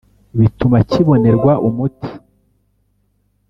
bituma kibonerwa umuti